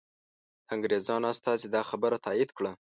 د انګریزانو استازي دا خبر تایید کړ.